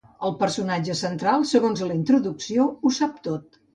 El personatge central, segons la introducció, ho sap tot.